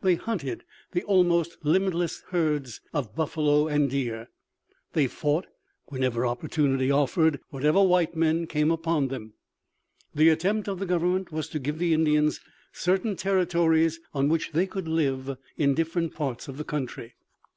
They hunted the almost limitless herds of buffalo and deer. They fought, whenever opportunity offered, whatever white men came upon them. The attempt of the government was to give the Indians certain territories on which they could live in different parts of that country.